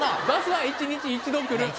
「バスは一日一度来る」